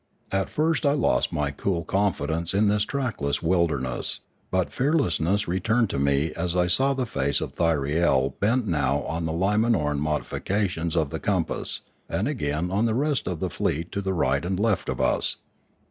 At first I lost my cool con fidence in this trackless wilderness; but fearlessness re turned to me as I saw the face of Thyriel bent now on the Limanoran modifications of the compass, and again on the rest of the fleet to the right and left of us.